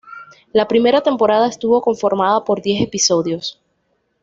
La primera temporada estuvo conformada por diez episodios.